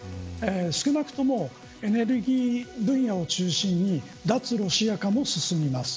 少なくともエネルギー分野を中心に脱ロシア化も進みます。